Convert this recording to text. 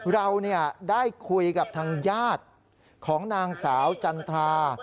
เราได้คุยกับทางญาติของนางสาวจันทรา